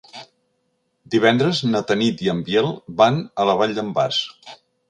Divendres na Tanit i en Biel van a la Vall d'en Bas.